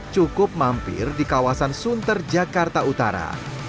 cukup mampir di kawasan sunter jakarta utara